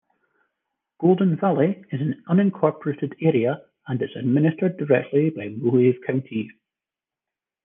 Golden Valley is an unincorporated area and is administered directly by Mohave County.